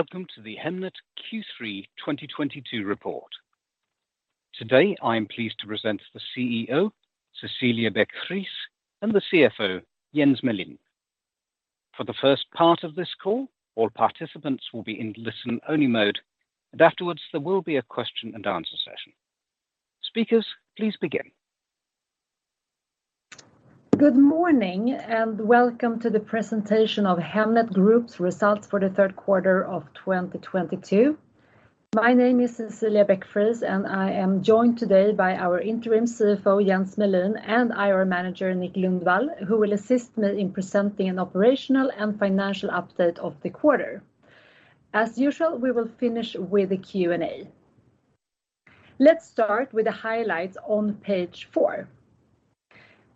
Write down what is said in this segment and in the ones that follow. Welcome to the Hemnet Q3 2022 report. Today, I'm pleased to present the CEO, Cecilia Beck-Friis, and the CFO, Jens Melin. For the first part of this call, all participants will be in listen-only mode, and afterwards, there will be a question and answer session. Speakers, please begin. Good morning, and welcome to the presentation of Hemnet Group's results for the third quarter of 2022. My name is Cecilia Beck-Friis, and I am joined today by our Interim CFO, Jens Melin, and IR Manager, Nick Lundvall, who will assist me in presenting an operational and financial update of the quarter. As usual, we will finish with a Q&A. Let's start with the highlights on page 4.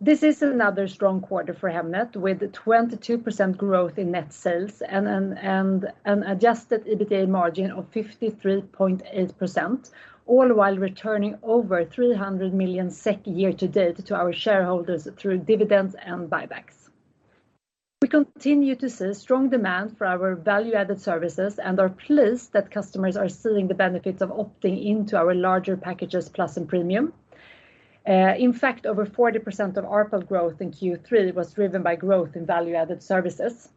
This is another strong quarter for Hemnet with 22% growth in net sales and an adjusted EBITDA margin of 53.8%, all while returning over 300 million SEK year to date to our shareholders through dividends and buybacks. We continue to see strong demand for our value-added services and are pleased that customers are seeing the benefits of opting into our larger packages Plus and Premium. In fact, over 40% of ARPA growth in Q3 was driven by growth in value-added services.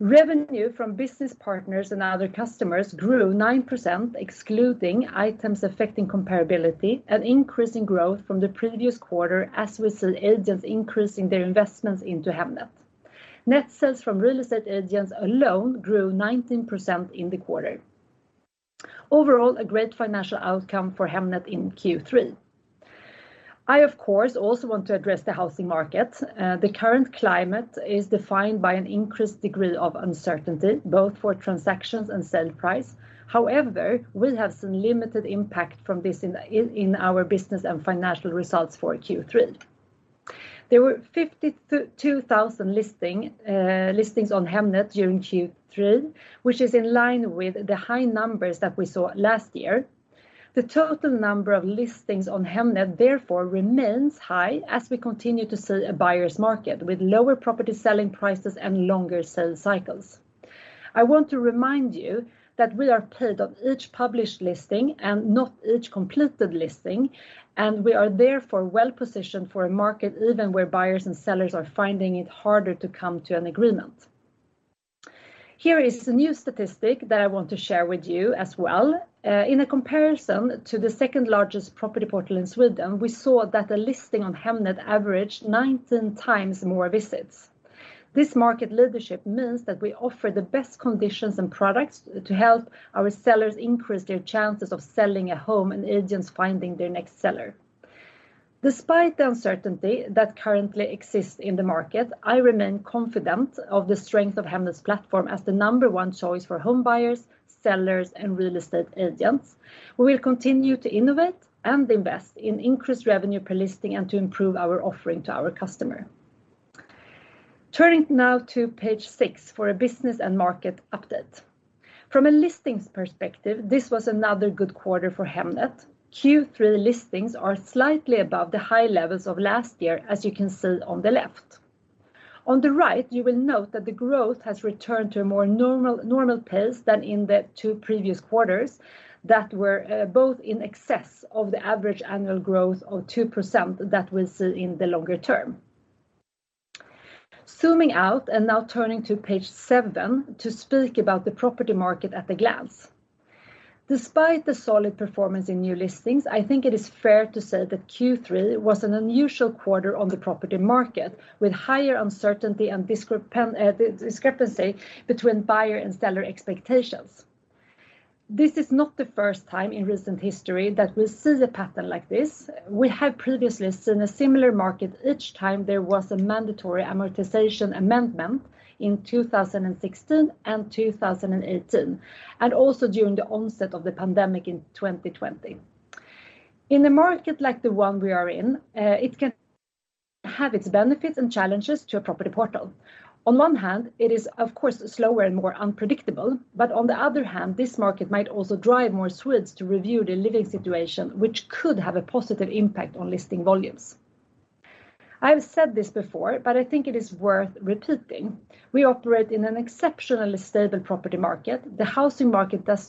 Revenue from business partners and other customers grew 9% excluding items affecting comparability and increasing growth from the previous quarter as we see agents increasing their investments into Hemnet. Net sales from real estate agents alone grew 19% in the quarter. Overall, a great financial outcome for Hemnet in Q3. I, of course, also want to address the housing market. The current climate is defined by an increased degree of uncertainty, both for transactions and sale price. However, we have some limited impact from this in our business and financial results for Q3. There were 52,000 listings on Hemnet during Q3, which is in line with the high numbers that we saw last year. The total number of listings on Hemnet therefore remains high as we continue to see a buyer's market, with lower property selling prices and longer sale cycles. I want to remind you that we are paid on each published listing and not each completed listing, and we are therefore well-positioned for a market even where buyers and sellers are finding it harder to come to an agreement. Here is a new statistic that I want to share with you as well. In a comparison to the second-largest property portal in Sweden, we saw that a listing on Hemnet averaged 19 times more visits. This market leadership means that we offer the best conditions and products to help our sellers increase their chances of selling a home and agents finding their next seller. Despite the uncertainty that currently exists in the market, I remain confident of the strength of Hemnet's platform as the number one choice for home buyers, sellers, and real estate agents. We will continue to innovate and invest in increased revenue per listing and to improve our offering to our customer. Turning now to page 6 for a business and market update. From a listings perspective, this was another good quarter for Hemnet. Q3 listings are slightly above the high levels of last year, as you can see on the left. On the right, you will note that the growth has returned to a more normal pace than in the two previous quarters that were both in excess of the average annual growth of 2% that we see in the longer term. Zooming out and now turning to page seven to speak about the property market at a glance. Despite the solid performance in new listings, I think it is fair to say that Q3 was an unusual quarter on the property market, with higher uncertainty and discrepancy between buyer and seller expectations. This is not the first time in recent history that we see a pattern like this. We have previously seen a similar market each time there was a mandatory amortization amendment in 2016 and 2018, and also during the onset of the pandemic in 2020. In a market like the one we are in, it can have its benefits and challenges to a property portal. On one hand, it is of course slower and more unpredictable, but on the other hand, this market might also drive more Swedes to review their living situation, which could have a positive impact on listing volumes. I've said this before, but I think it is worth repeating. We operate in an exceptionally stable property market. The housing market does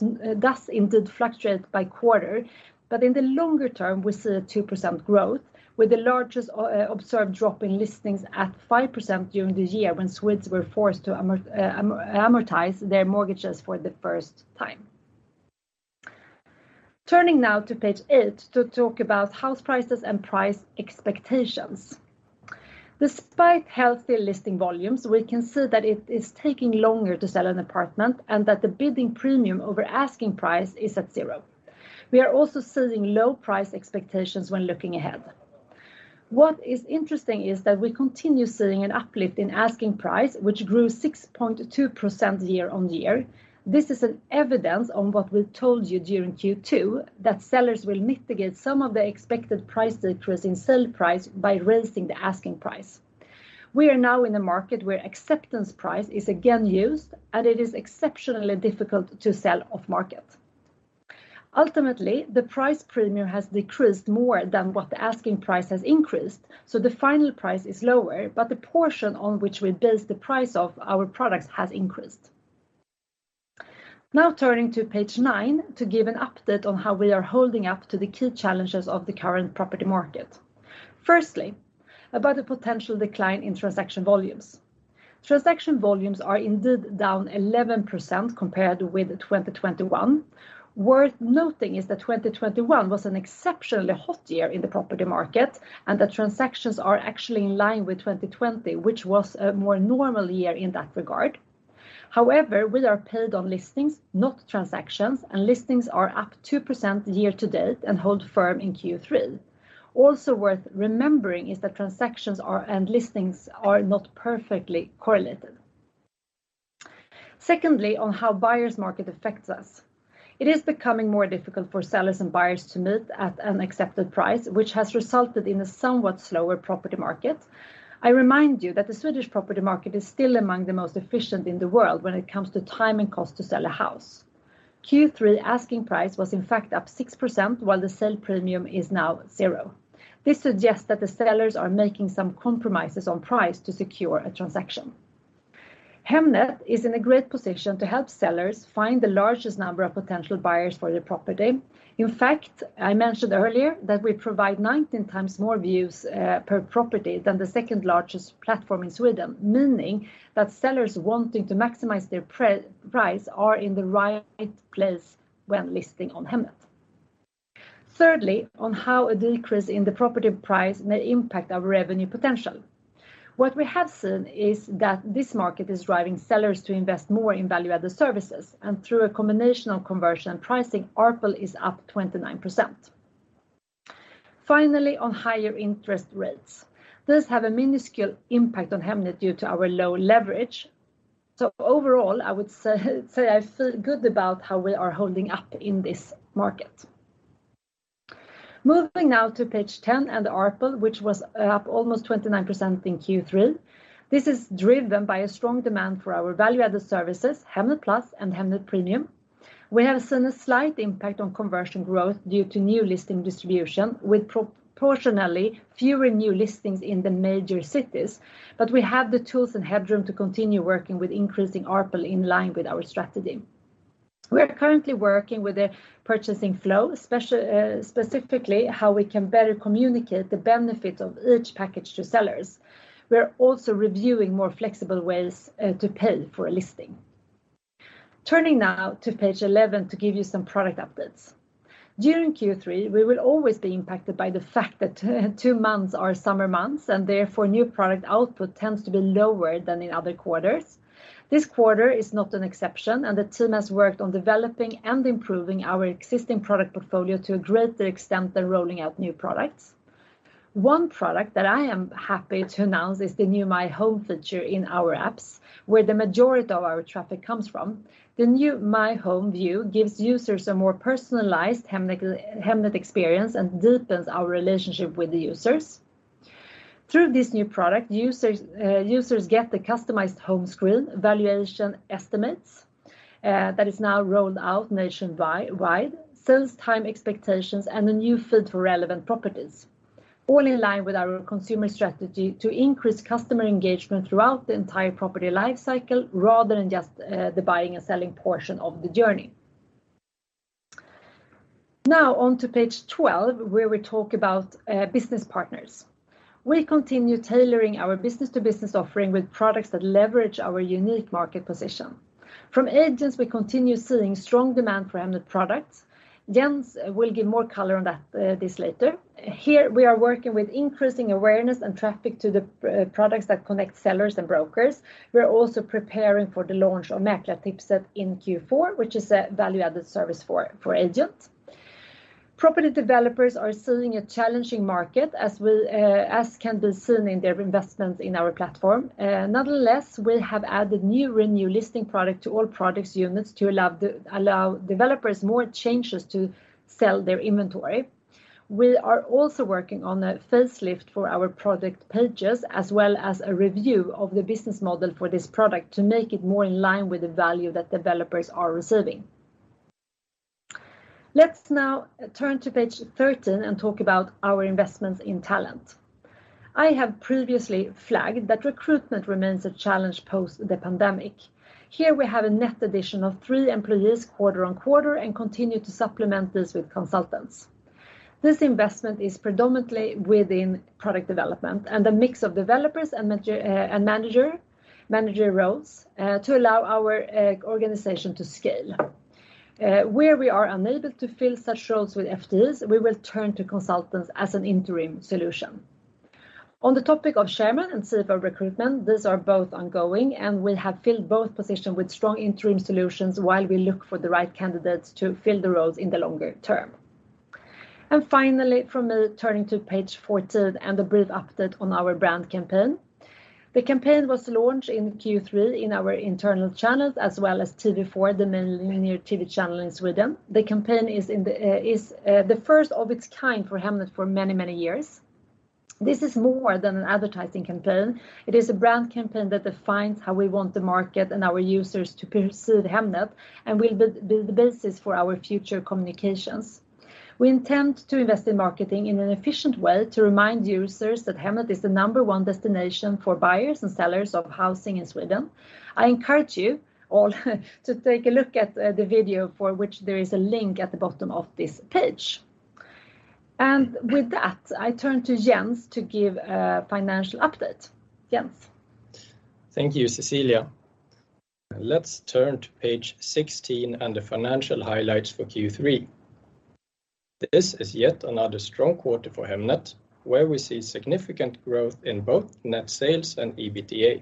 indeed fluctuate by quarter, but in the longer term, we see a 2% growth, with the largest observed drop in listings at 5% during the year when Swedes were forced to amortize their mortgages for the first time. Turning now to page eight to talk about house prices and price expectations. Despite healthier listing volumes, we can see that it is taking longer to sell an apartment and that the bidding premium over asking price is at zero. We are also seeing low price expectations when looking ahead. What is interesting is that we continue seeing an uplift in asking price, which grew 6.2% year-on-year. This is an evidence on what we told you during Q2, that sellers will mitigate some of the expected price decrease in sale price by raising the asking price. We are now in a market where acceptance price is again used, and it is exceptionally difficult to sell off market. Ultimately, the price premium has decreased more than what the asking price has increased, so the final price is lower, but the portion on which we base the price of our products has increased. Now turning to page 9 to give an update on how we are holding up to the key challenges of the current property market. Firstly, about the potential decline in transaction volumes. Transaction volumes are indeed down 11% compared with 2021. Worth noting is that 2021 was an exceptionally hot year in the property market, and the transactions are actually in line with 2020, which was a more normal year in that regard. However, we are paid on listings, not transactions, and listings are up 2% year to date and hold firm in Q3. Also worth remembering is that transactions and listings are not perfectly correlated. Secondly, on how buyer's market affects us. It is becoming more difficult for sellers and buyers to meet at an accepted price, which has resulted in a somewhat slower property market. I remind you that the Swedish property market is still among the most efficient in the world when it comes to time and cost to sell a house. Q3 asking price was in fact up 6%, while the sale premium is now zero. This suggests that the sellers are making some compromises on price to secure a transaction. Hemnet is in a great position to help sellers find the largest number of potential buyers for their property. In fact, I mentioned earlier that we provide 19 times more views per property than the second-largest platform in Sweden, meaning that sellers wanting to maximize their price are in the right place when listing on Hemnet. Thirdly, on how a decrease in the property price may impact our revenue potential. What we have seen is that this market is driving sellers to invest more in value-added services, and through a combination of conversion and pricing, ARPL is up 29%. Finally, on higher interest rates. This have a minuscule impact on Hemnet due to our low leverage. Overall, I would say I feel good about how we are holding up in this market. Moving now to page 10 and ARPL, which was up almost 29% in Q3. This is driven by a strong demand for our value-added services, Hemnet Plus and Hemnet Premium. We have seen a slight impact on conversion growth due to new listing distribution, with proportionally fewer new listings in the major cities, but we have the tools and headroom to continue working with increasing ARPL in line with our strategy. We are currently working with a purchasing flow, specifically how we can better communicate the benefit of each package to sellers. We're also reviewing more flexible ways to pay for a listing. Turning now to page 11 to give you some product updates. During Q3, we will always be impacted by the fact that two months are summer months, and therefore new product output tends to be lower than in other quarters. This quarter is not an exception, and the team has worked on developing and improving our existing product portfolio to a greater extent than rolling out new products. One product that I am happy to announce is the new My Home feature in our apps, where the majority of our traffic comes from. The new My Home view gives users a more personalized Hemnet experience and deepens our relationship with the users. Through this new product, users get the customized home screen valuation estimates that is now rolled out nationwide, sales time expectations, and a new feed for relevant properties, all in line with our consumer strategy to increase customer engagement throughout the entire property life cycle rather than just the buying and selling portion of the journey. Now on to page 12, where we talk about business partners. We continue tailoring our business-to-business offering with products that leverage our unique market position. From agents, we continue seeing strong demand for Hemnet products. Jens will give more color on that later. Here, we are working with increasing awareness and traffic to the products that connect sellers and brokers. We're also preparing for the launch of Mäklartipset in Q4, which is a value-added service for agents. Property developers are seeing a challenging market, as well as can be seen in their investments in our platform. Nonetheless, we have added new renewal listing product to all product units to allow developers more chances to sell their inventory. We are also working on a facelift for our product pages, as well as a review of the business model for this product to make it more in line with the value that developers are receiving. Let's now turn to page 13 and talk about our investments in talent. I have previously flagged that recruitment remains a challenge post the pandemic. Here we have a net addition of three employees quarter-on-quarter and continue to supplement this with consultants. This investment is predominantly within product development and a mix of developers and manager roles to allow our organization to scale. Where we are unable to fill such roles with FTEs, we will turn to consultants as an interim solution. On the topic of chairman and CFO recruitment, these are both ongoing, and we have filled both positions with strong interim solutions while we look for the right candidates to fill the roles in the longer term. Finally from me, turning to page 14 and a brief update on our brand campaign. The campaign was launched in Q3 in our internal channels, as well as TV4, the main linear TV channel in Sweden. The campaign is the first of its kind for Hemnet for many, many years. This is more than an advertising campaign. It is a brand campaign that defines how we want the market and our users to perceive Hemnet, and will be the basis for our future communications. We intend to invest in marketing in an efficient way to remind users that Hemnet is the number one destination for buyers and sellers of housing in Sweden. I encourage you all to take a look at the video for which there is a link at the bottom of this page. With that, I turn to Jens to give a financial update. Jens. Thank you, Cecilia. Let's turn to page 16 and the financial highlights for Q3. This is yet another strong quarter for Hemnet, where we see significant growth in both net sales and EBITDA.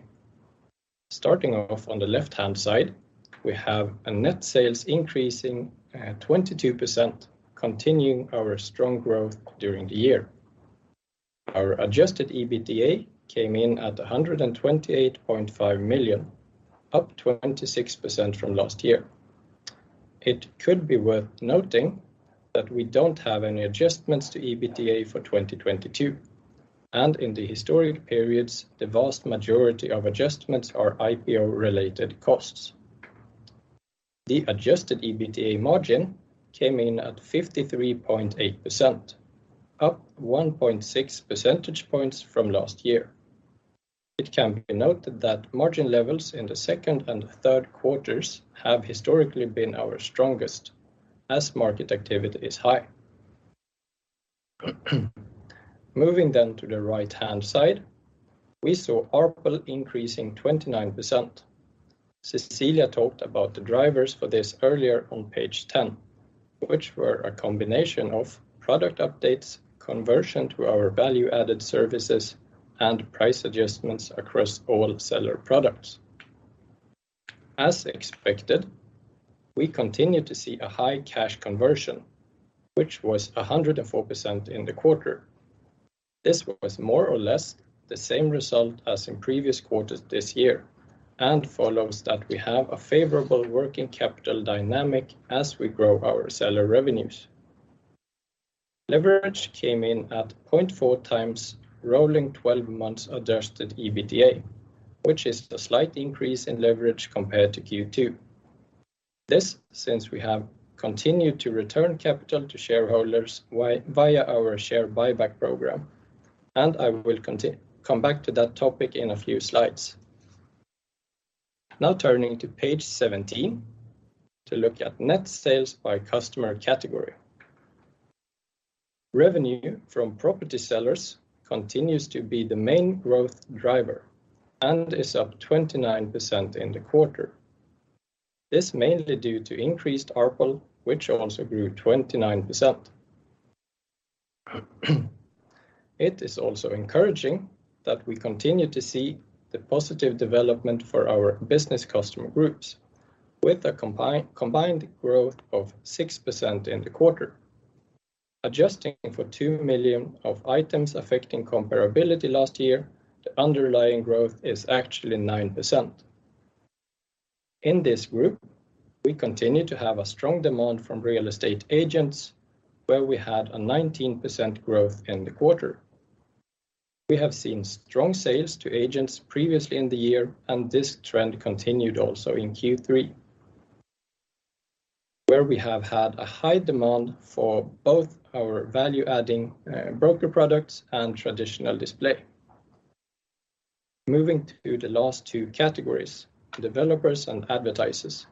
Starting off on the left-hand side, we have our net sales increasing 22%, continuing our strong growth during the year. Our adjusted EBITDA came in at 128.5 million, up 26% from last year. It could be worth noting that we don't have any adjustments to EBITDA for 2022, and in the historic periods, the vast majority of adjustments are IPO-related costs. The adjusted EBITDA margin came in at 53.8%, up 1.6 percentage points from last year. It can be noted that margin levels in the second and third quarters have historically been our strongest as market activity is high. Moving then to the right-hand side, we saw ARPL increasing 29%. Cecilia talked about the drivers for this earlier on page 10, which were a combination of product updates, conversion to our value-added services, and price adjustments across all seller products. As expected, we continue to see a high cash conversion, which was 104% in the quarter. This was more or less the same result as in previous quarters this year, and follows that we have a favorable working capital dynamic as we grow our seller revenues. Leverage came in at 0.4x rolling 12 months adjusted EBITDA, which is a slight increase in leverage compared to Q2. This since we have continued to return capital to shareholders via our share buyback program, and I will come back to that topic in a few slides. Now turning to page 17 to look at net sales by customer category. Revenue from property sellers continues to be the main growth driver and is up 29% in the quarter. This mainly due to increased ARPL, which also grew 29%. It is also encouraging that we continue to see the positive development for our business customer groups with a combined growth of 6% in the quarter. Adjusting for 2 million of items affecting comparability last year, the underlying growth is actually 9%. In this group, we continue to have a strong demand from real estate agents, where we had a 19% growth in the quarter. We have seen strong sales to agents previously in the year, and this trend continued also in Q3, where we have had a high demand for both our value-adding broker products and traditional display. Moving to the last two categories, to developers and advertisers,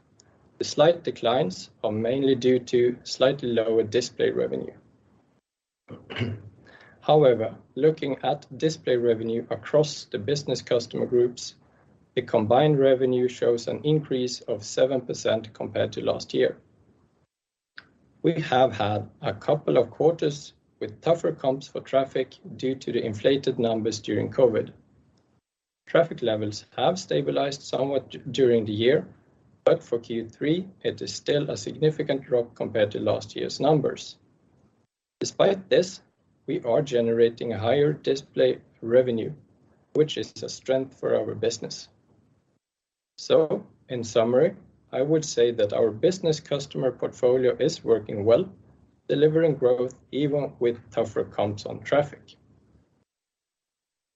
the slight declines are mainly due to slightly lower display revenue. However, looking at display revenue across the business customer groups, the combined revenue shows an increase of 7% compared to last year. We have had a couple of quarters with tougher comps for traffic due to the inflated numbers during COVID. Traffic levels have stabilized somewhat during the year, but for Q3, it is still a significant drop compared to last year's numbers. Despite this, we are generating a higher display revenue, which is a strength for our business. In summary, I would say that our business customer portfolio is working well, delivering growth even with tougher comps on traffic.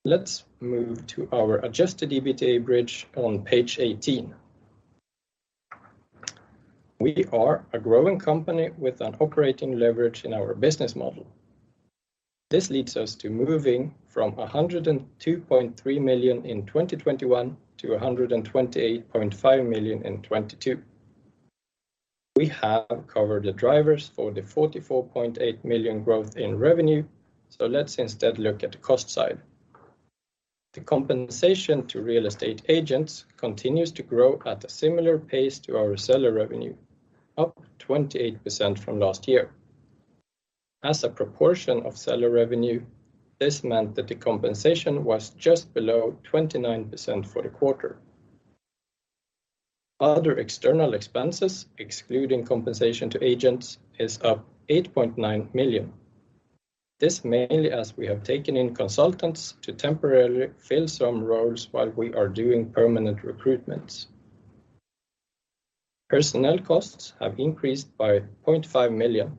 Let's move to our adjusted EBITDA bridge on page 18. We are a growing company with an operating leverage in our business model. This leads us to moving from 102.3 million in 2021 to 128.5 million in 2022. We have covered the drivers for the 44.8 million growth in revenue, so let's instead look at the cost side. The compensation to real estate agents continues to grow at a similar pace to our seller revenue, up 28% from last year. As a proportion of seller revenue, this meant that the compensation was just below 29% for the quarter. Other external expenses, excluding compensation to agents, is up 8.9 million. This mainly as we have taken in consultants to temporarily fill some roles while we are doing permanent recruitments. Personnel costs have increased by 0.5 million,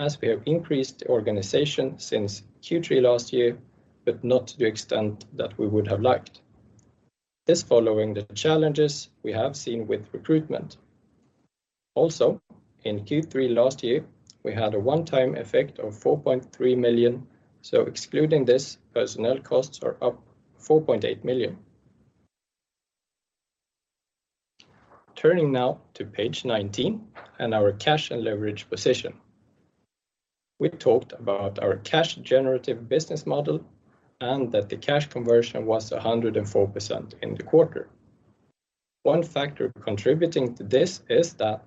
as we have increased the organization since Q3 last year, but not to the extent that we would have liked. This follows the challenges we have seen with recruitment. Also, in Q3 last year, we had a one-time effect of 4.3 million, so excluding this, personnel costs are up 4.8 million. Turning now to page 19 and our cash and leverage position. We talked about our cash generative business model and that the cash conversion was 104% in the quarter. One factor contributing to this is that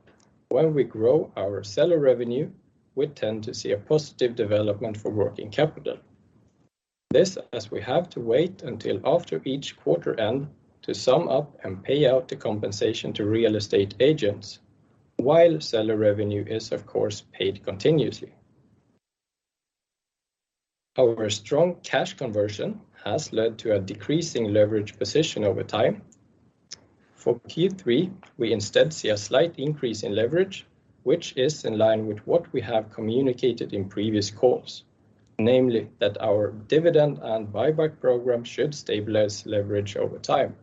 when we grow our seller revenue, we tend to see a positive development for working capital. This as we have to wait until after each quarter end to sum up and pay out the compensation to real estate agents while seller revenue is of course paid continuously. Our strong cash conversion has led to a decreasing leverage position over time. For Q3, we instead see a slight increase in leverage, which is in line with what we have communicated in previous calls. Namely, that our dividend and buyback program should stabilize leverage over time.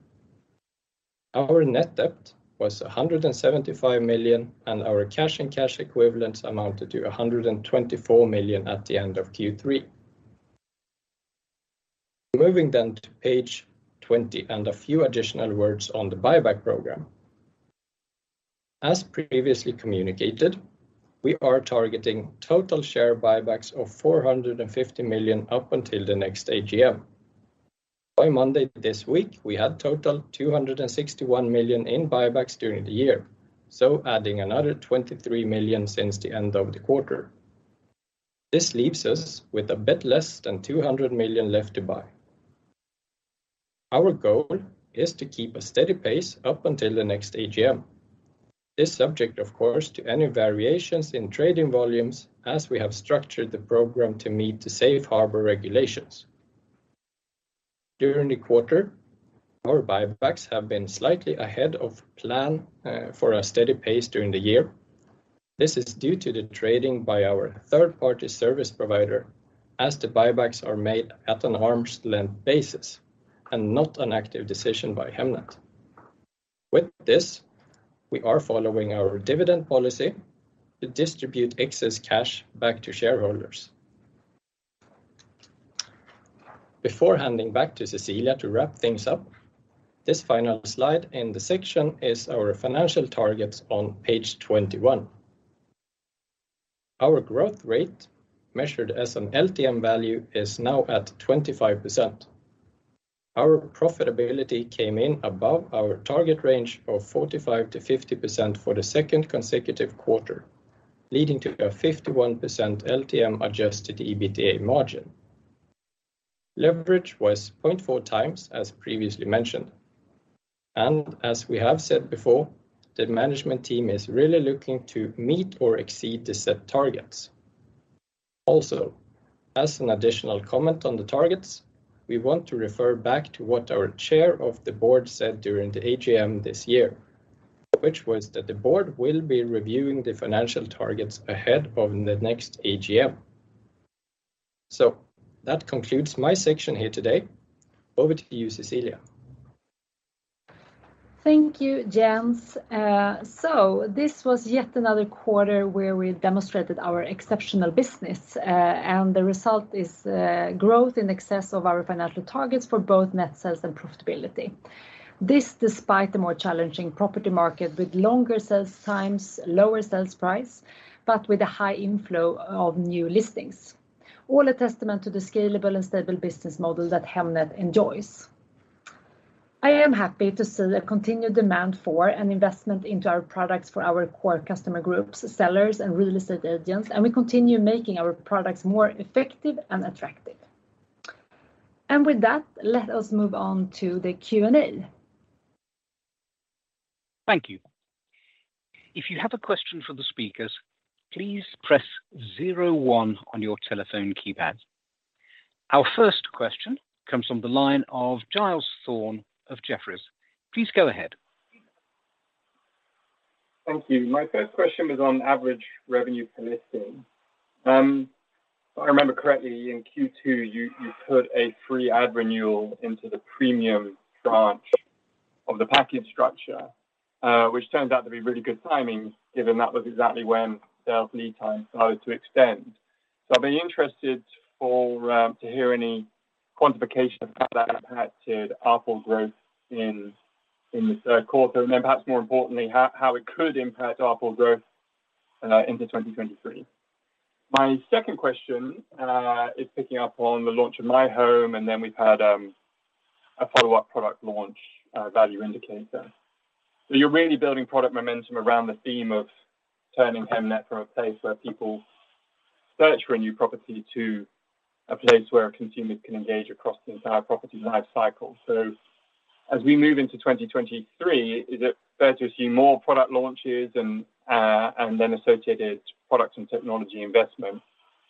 Our net debt was 175 million, and our cash and cash equivalents amounted to 124 million at the end of Q3. Moving to page 20 and a few additional words on the buyback program. As previously communicated, we are targeting total share buybacks of 450 million up until the next AGM. By Monday this week, we had total 261 million in buybacks during the year, so adding another 23 million since the end of the quarter. This leaves us with a bit less than 200 million left to buy. Our goal is to keep a steady pace up until the next AGM. This is subject of course to any variations in trading volumes as we have structured the program to meet the safe harbor regulations. During the quarter, our buybacks have been slightly ahead of plan for a steady pace during the year. This is due to the trading by our third-party service provider, as the buybacks are made at an arm's length basis and not an active decision by Hemnet. With this, we are following our dividend policy to distribute excess cash back to shareholders. Before handing back to Cecilia to wrap things up, this final slide in the section is our financial targets on page 21. Our growth rate measured as an LTM value is now at 25%. Our profitability came in above our target range of 45%-50% for the second consecutive quarter, leading to a 51% LTM adjusted EBITDA margin. Leverage was 0.4 times, as previously mentioned, and as we have said before, the management team is really looking to meet or exceed the set targets. Also, as an additional comment on the targets, we want to refer back to what our chair of the board said during the AGM this year, which was that the board will be reviewing the financial targets ahead of the next AGM. That concludes my section here today. Over to you, Cecilia. Thank you, Jens. This was yet another quarter where we demonstrated our exceptional business, and the result is growth in excess of our financial targets for both net sales and profitability. This despite the more challenging property market with longer sales times, lower sales price, but with a high inflow of new listings. All a testament to the scalable and stable business model that Hemnet enjoys. I am happy to see the continued demand for an investment into our products for our core customer groups, sellers and real estate agents, and we continue making our products more effective and attractive. With that, let us move on to the Q&A. Thank you. If you have a question for the speakers, please press zero one on your telephone keypad. Our first question comes from the line of Giles Thorne of Jefferies. Please go ahead. Thank you. My first question was on average revenue per listing. If I remember correctly, in Q2, you put a free ad renewal into the premium branch of the package structure, which turned out to be really good timing, given that was exactly when sales lead time started to extend. I'd be interested to hear any quantification of how that impacted ARPU growth in the third quarter, and then perhaps more importantly, how it could impact ARPU growth into 2023. My second question is picking up on the launch of My Home, and then we've had a follow-up product launch, value indication. You're really building product momentum around the theme of turning Hemnet from a place where people search for a new property to a place where a consumer can engage across the entire property life cycle. As we move into 2023, is it fair to assume more product launches and then associated product and technology investment?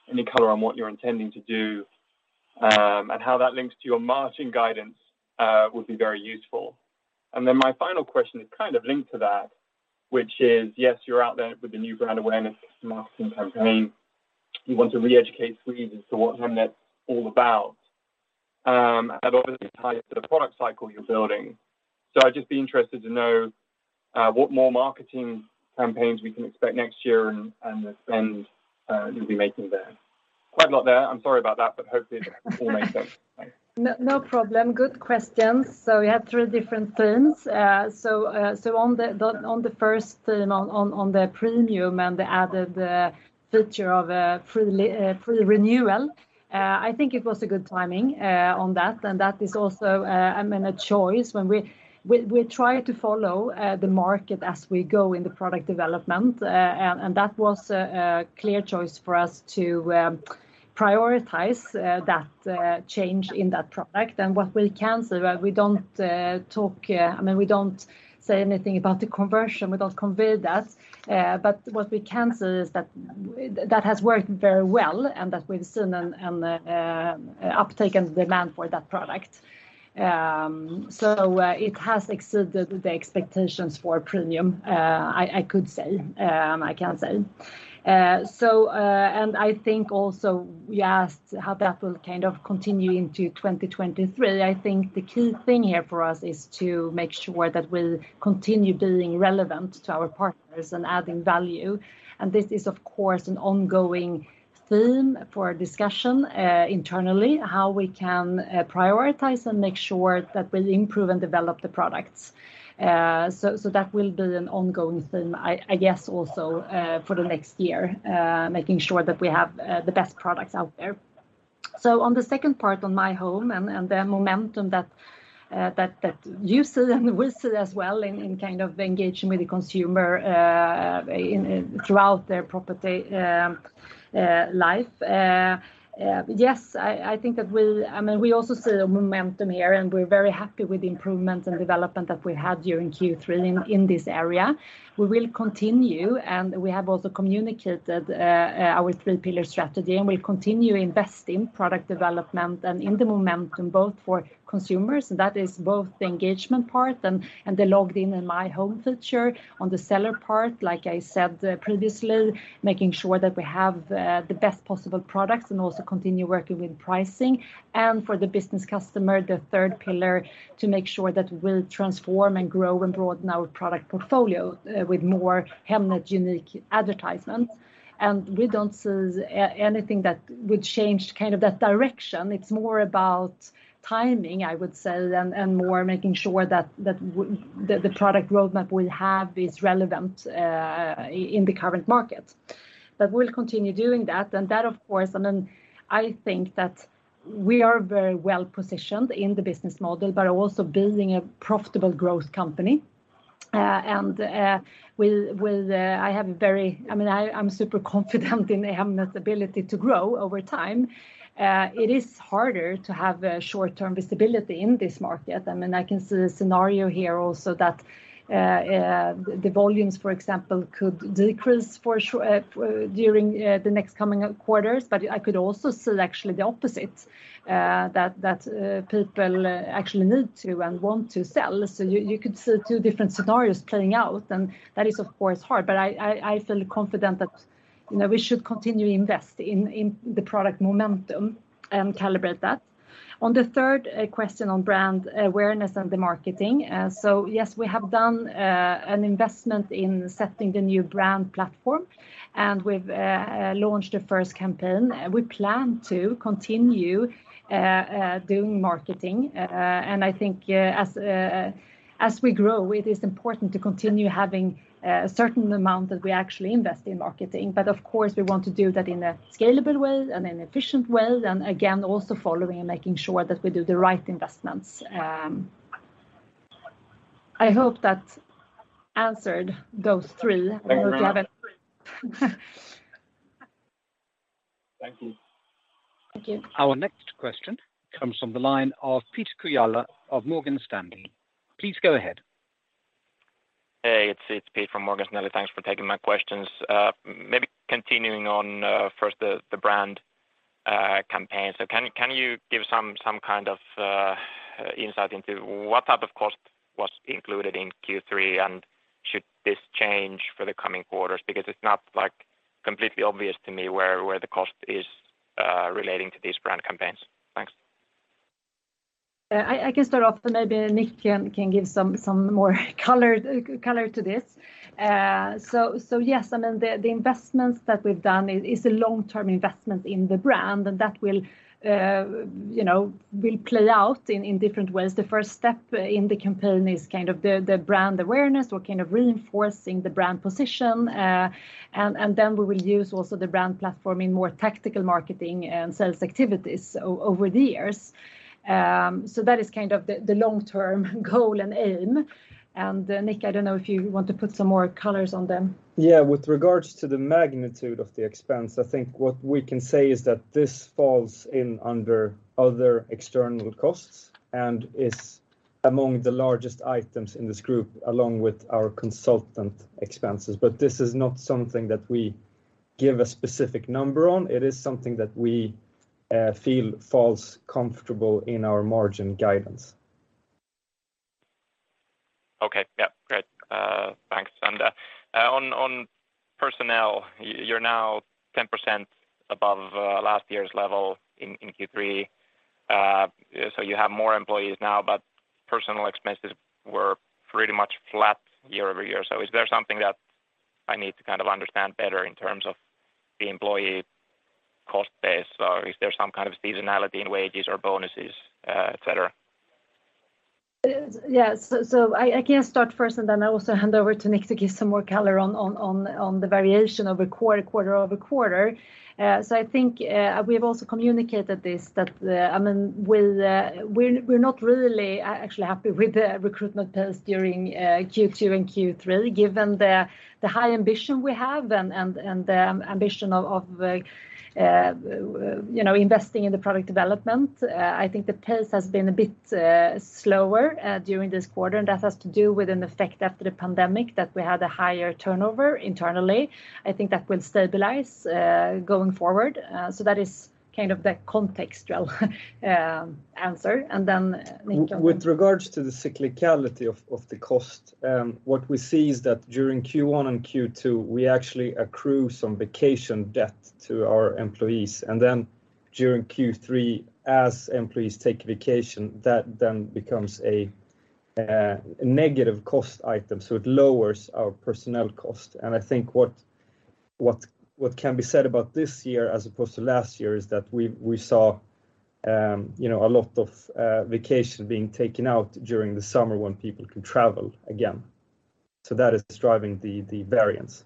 Any color on what you're intending to do, and how that links to your margin guidance, would be very useful. My final question is kind of linked to that, which is, yes, you're out there with the new brand awareness marketing campaign. You want to re-educate Swedes as to what Hemnet's all about, and obviously tie it to the product cycle you're building. I'd just be interested to know what more marketing campaigns we can expect next year and the spend you'll be making there. Quite a lot there. I'm sorry about that, but hopefully it all makes sense. Thanks. No problem. Good questions. We have three different themes. On the first theme on the Premium and the added feature of free renewal, I think it was a good timing on that, and that is also, I mean, a choice when we try to follow the market as we go in the product development. That was a clear choice for us to prioritize that change in that product. What we can say, we don't talk, I mean, we don't say anything about the conversion. We don't convey that. But what we can say is that that has worked very well and that we've seen an uptake in demand for that product. It has exceeded the expectations for Premium. I can say. I think also we asked how that will kind of continue into 2023. I think the key thing here for us is to make sure that we'll continue being relevant to our partners and adding value. This is of course an ongoing theme for discussion internally, how we can prioritize and make sure that we improve and develop the products. That will be an ongoing theme I guess also for the next year, making sure that we have the best products out there. On the second part on My Home and the momentum that you see and we see as well in kind of engaging with the consumer in throughout their property life. Yes, I think that I mean, we also see the momentum here, and we're very happy with the improvements and development that we had during Q3 in this area. We will continue, and we have also communicated our three pillar strategy, and we'll continue investing product development and in the momentum both for consumers, that is both the engagement part and the logged in My Home feature. On the seller part, like I said, previously, making sure that we have the best possible products and also continue working with pricing. For the business customer, the third pillar to make sure that we'll transform and grow and broaden our product portfolio with more Hemnet unique advertisements. We don't see anything that would change kind of that direction. It's more about timing, I would say, and more making sure that the product roadmap we have is relevant in the current market. We'll continue doing that, and that of course, I mean, I think that we are very well-positioned in the business model, but also being a profitable growth company. I mean, I'm super confident in Hemnet's ability to grow over time. It is harder to have short-term visibility in this market. I mean, I can see the scenario here also that the volumes, for example, could decrease during the next coming quarters. I could also see actually the opposite, that people actually need to and want to sell. You could see two different scenarios playing out, and that is of course hard. I feel confident that, you know, we should continue invest in the product momentum and calibrate that. On the third question on brand awareness and the marketing, yes, we have done an investment in setting the new brand platform, and we've launched the first campaign. We plan to continue doing marketing. I think as we grow it is important to continue having a certain amount that we actually invest in marketing. Of course we want to do that in a scalable way and an efficient way and again also following and making sure that we do the right investments. I hope that answered those three- Thank you. 11. Thank you. Thank you. Our next question comes from the line of Petri Kujala of Morgan Stanley. Please go ahead. Hey, it's Petri Kujala from Morgan Stanley. Thanks for taking my questions. Maybe continuing on, first the brand campaign. So can you give some kind of insight into what type of cost was included in Q3, and should this change for the coming quarters? Because it's not, like, completely obvious to me where the cost is relating to these brand campaigns. Thanks. I can start off, and maybe Nick can give some more color to this. Yes, I mean, the investments that we've done is a long-term investment in the brand, and that will, you know, will play out in different ways. The first step in the campaign is kind of the brand awareness or kind of reinforcing the brand position. And then we will use also the brand platform in more tactical marketing and sales activities over the years. So that is kind of the long-term goal and aim. Nick, I don't know if you want to put some more colors on them. Yeah. With regards to the magnitude of the expense, I think what we can say is that this falls under other external costs and is. Among the largest items in this group, along with our consultant expenses. This is not something that we give a specific number on. It is something that we feel feels comfortable in our margin guidance. Okay. Yeah, great. Thanks. On personnel, you're now 10% above last year's level in Q3. You have more employees now, but personnel expenses were pretty much flat year-over-year. Is there something that I need to kind of understand better in terms of the employee cost base, or is there some kind of seasonality in wages or bonuses, et cetera? Yes. I can start first, and then I'll also hand over to Nick to give some more color on the variation of a quarter over quarter. I think we have also communicated this, that I mean we're not really actually happy with the recruitment pace during Q2 and Q3, given the high ambition we have and the ambition of you know investing in the product development. I think the pace has been a bit slower during this quarter, and that has to do with an effect after the pandemic that we had a higher turnover internally. I think that will stabilize going forward. That is kind of the contextual answer. Then Nick can- With regards to the cyclicality of the cost, what we see is that during Q1 and Q2, we actually accrue some vacation debt to our employees. During Q3, as employees take vacation, that then becomes a negative cost item, so it lowers our personnel cost. I think what can be said about this year as opposed to last year is that we saw, you know, a lot of vacation being taken out during the summer when people could travel again. That is driving the variance.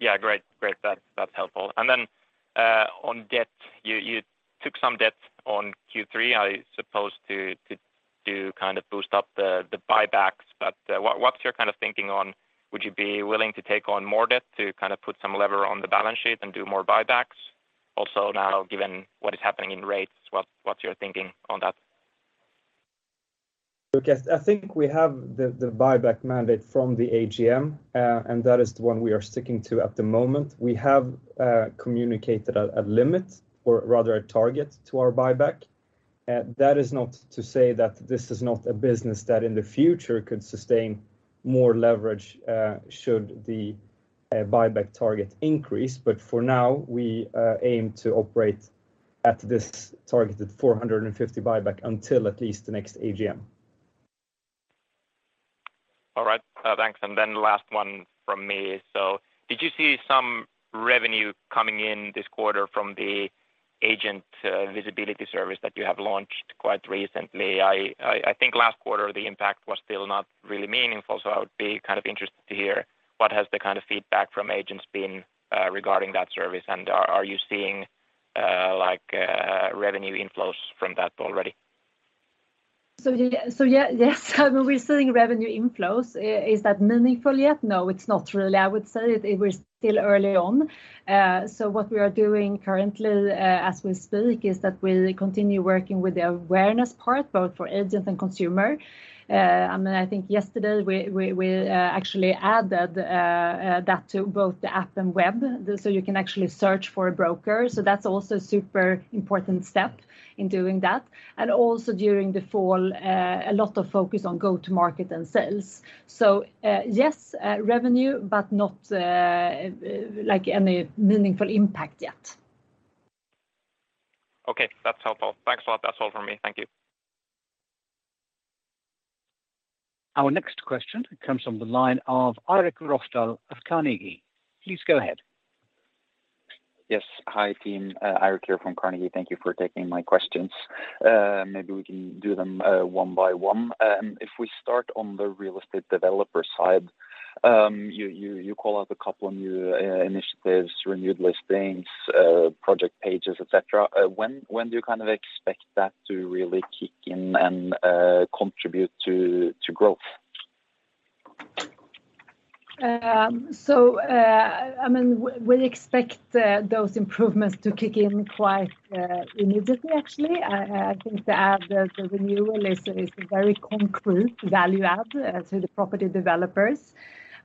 Yeah, great. Great. That's helpful. Then on debt, you took some debt on Q3, I suppose, to kind of boost up the buybacks. What's your kind of thinking on would you be willing to take on more debt to kind of put some lever on the balance sheet and do more buybacks? Also now, given what is happening in rates, what's your thinking on that? Look, yes, I think we have the buyback mandate from the AGM, and that is the one we are sticking to at the moment. We have communicated a limit, or rather a target to our buyback. That is not to say that this is not a business that in the future could sustain more leverage, should the buyback target increase. For now, we aim to operate at this targeted 450 buyback until at least the next AGM. All right. Thanks. Last one from me. Did you see some revenue coming in this quarter from the agent visibility service that you have launched quite recently? I think last quarter the impact was still not really meaningful, so I would be kind of interested to hear what has the kind of feedback from agents been regarding that service, and are you seeing like revenue inflows from that already? Yes, we're seeing revenue inflows. Is that meaningful yet? No, it's not really. I would say it, we're still early on. What we are doing currently, as we speak, is that we'll continue working with the awareness part, both for agent and consumer. I mean, I think yesterday we actually added that to both the app and web, so you can actually search for a broker. That's also super important step in doing that. During the fall, a lot of focus on go-to-market and sales. Yes, revenue, but not like any meaningful impact yet. Okay. That's helpful. Thanks a lot. That's all from me. Thank you. Our next question comes from the line of Eirik Rohstad of Carnegie. Please go ahead. Yes. Hi, team. Eirik here from Carnegie. Thank you for taking my questions. Maybe we can do them one by one. If we start on the real estate developer side, you call out a couple of new initiatives, renewed listings, project pages, et cetera. When do you kind of expect that to really kick in and contribute to growth? I mean, we expect those improvements to kick in quite immediately actually. I think to add, the renewal is a very concrete value add to the property developers.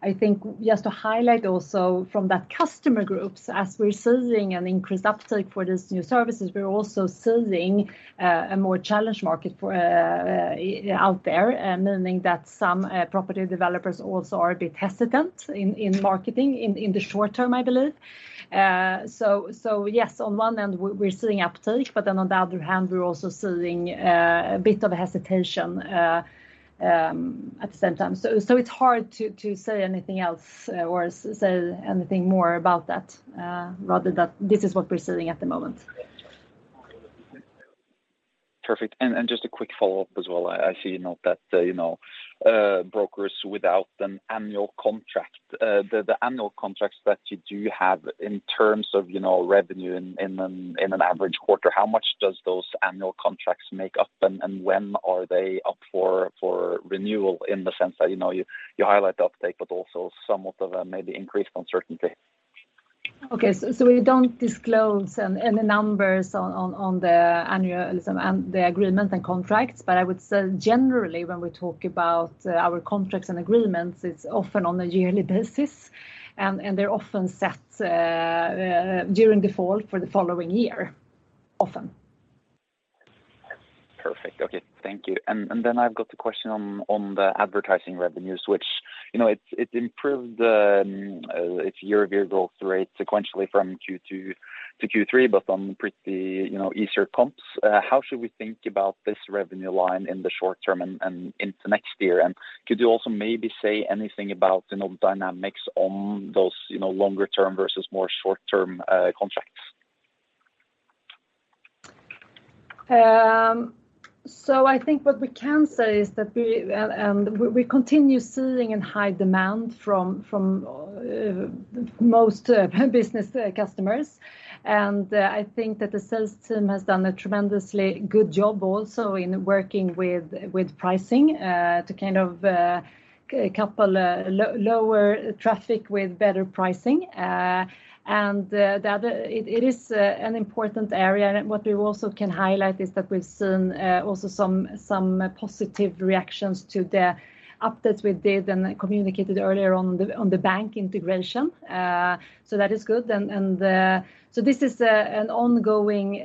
I think just to highlight also from that customer groups, as we're seeing an increased uptake for these new services, we're also seeing a more challenged market out there, meaning that some property developers also are a bit hesitant in marketing in the short term, I believe. Yes, on one end we're seeing uptake, but then on the other hand, we're also seeing a bit of hesitation at the same time. It's hard to say anything else, or say anything more about that, rather that this is what we're seeing at the moment. Perfect. Just a quick follow-up as well. I see noted that, you know, brokers without an annual contract, the annual contracts that you do have in terms of, you know, revenue in an average quarter, how much does those annual contracts make up and when are they up for renewal in the sense that, you know, you highlight the uptake, but also somewhat of a maybe increased uncertainty? We don't disclose any numbers on the annuals and the agreement and contracts. I would say generally when we talk about our contracts and agreements, it's often on a yearly basis, and they're often set during the fall for the following year, often. Perfect. Okay. Thank you. I've got a question on the advertising revenues, which, you know, it's improved its year-over-year growth rate sequentially from Q2 to Q3, but on pretty, you know, easier comps. How should we think about this revenue line in the short term and into next year? Could you also maybe say anything about, you know, dynamics on those, you know, longer term versus more short term contracts? I think what we can say is that we continue seeing high demand from most business customers. I think that the sales team has done a tremendously good job also in working with pricing to kind of couple lower traffic with better pricing. It is an important area. What we also can highlight is that we've seen some positive reactions to the updates we did and communicated earlier on the bank integration. That is good. This is an ongoing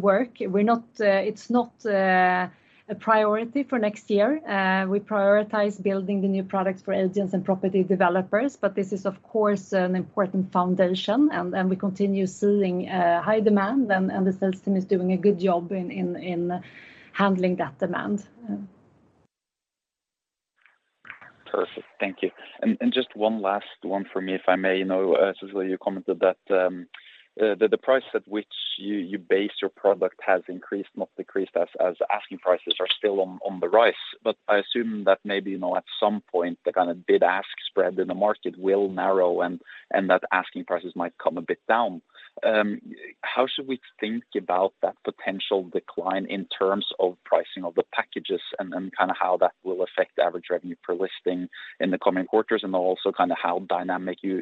work. It's not a priority for next year. We prioritize building the new products for agents and property developers, but this is of course an important foundation and we continue seeing high demand and the sales team is doing a good job in handling that demand. Perfect. Thank you. Just one last one for me, if I may. You know, Cecilia, you commented that the price at which you base your product has increased, not decreased as asking prices are still on the rise. I assume that maybe, you know, at some point the kind of bid-ask spread in the market will narrow and that asking prices might come a bit down. How should we think about that potential decline in terms of pricing of the packages and kind of how that will affect average revenue per listing in the coming quarters, and also kind of how dynamic you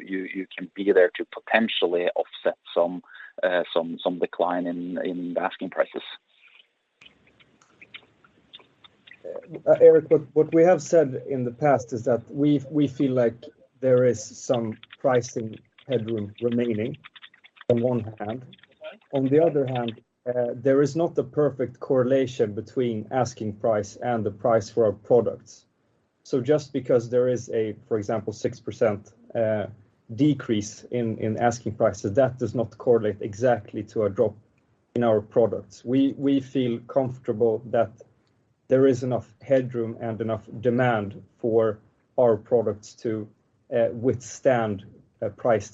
can be there to potentially offset some decline in asking prices? Eirik, what we have said in the past is that we feel like there is some pricing headroom remaining, on one hand. On the other hand, there is not the perfect correlation between asking price and the price for our products. So just because there is, for example, a 6% decrease in asking prices, that does not correlate exactly to a drop in our products. We feel comfortable that there is enough headroom and enough demand for our products to withstand price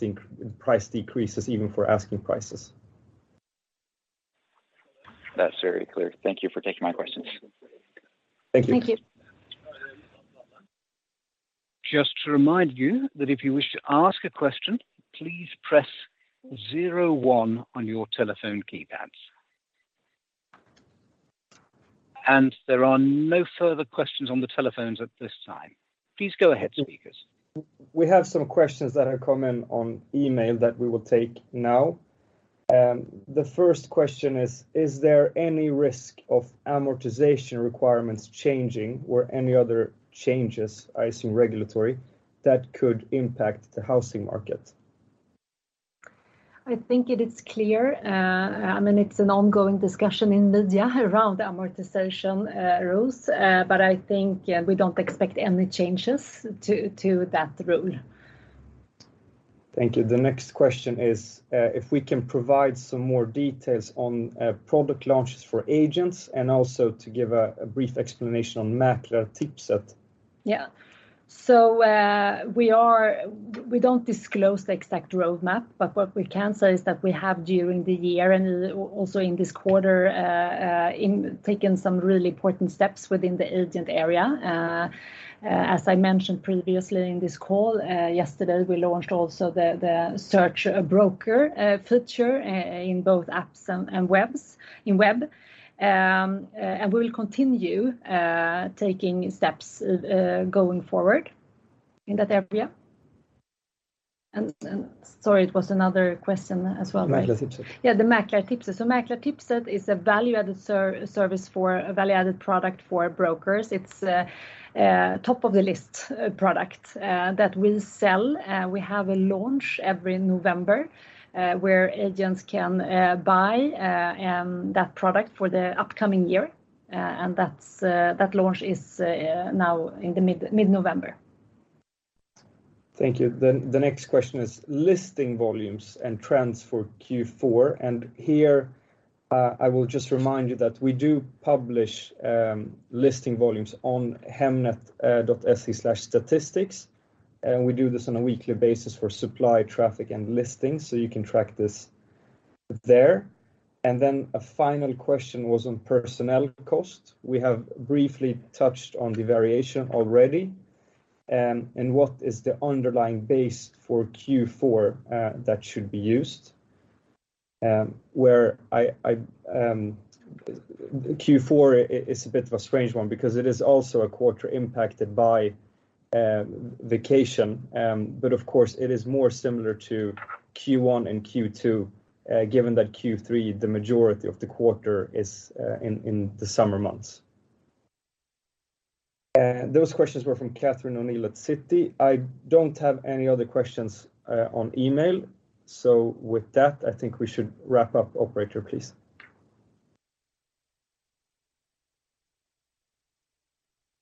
decreases even for asking prices. That's very clear. Thank you for taking my questions. Thank you. Thank you. Just to remind you that if you wish to ask a question, please press zero one on your telephone keypads. There are no further questions on the telephones at this time. Please go ahead, speakers. We have some questions that have come in on email that we will take now. The first question is, "Is there any risk of amortization requirements changing or any other changes, I assume regulatory, that could impact the housing market? I think it is clear. I mean, it's an ongoing discussion in media around amortization rules. I think, yeah, we don't expect any changes to that rule. Thank you. The next question is, if we can provide some more details on product launches for agents, and also to give a brief explanation on Mäklartipset. We don't disclose the exact roadmap, but what we can say is that we have during the year and also in this quarter taken some really important steps within the agent area. As I mentioned previously in this call, yesterday we launched the search broker feature in both apps and web. We'll continue taking steps going forward in that area. Sorry, it was another question as well, right? Mäklartipset. The Mäklartipset. Mäklartipset is a value-added product for brokers. It's a top of the list product that we sell. We have a launch every November where agents can buy that product for the upcoming year. That launch is now in mid-November. Thank you. The next question is listing volumes and trends for Q4. I will just remind you that we do publish listing volumes on hemnet.se/statistik, and we do this on a weekly basis for supply, traffic, and listings, so you can track this there. A final question was on personnel cost. We have briefly touched on the variation already. What is the underlying base for Q4 that should be used? Q4 is a bit of a strange one because it is also a quarter impacted by vacation. Of course it is more similar to Q1 and Q2, given that Q3, the majority of the quarter is in the summer months. Those questions were from Catherine O'Neill at Citi. I don't have any other questions on email. With that, I think we should wrap up. Operator, please.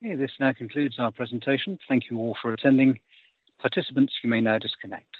Okay. This now concludes our presentation. Thank you all for attending. Participants, you may now disconnect.